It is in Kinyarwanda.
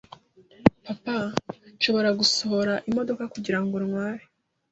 Papa, nshobora gusohora imodoka kugirango ntware?